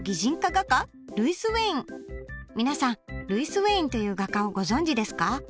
皆さんルイス・ウェインっていう画家をご存じですか？